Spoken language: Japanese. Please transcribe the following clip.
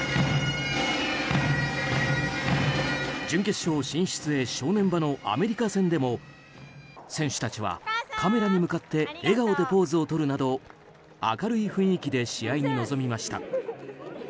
準決勝進出へ正念場のアメリカ戦でも選手たちは、カメラに向かって笑顔でポーズをとるなど明るい雰囲気で試合に臨みました。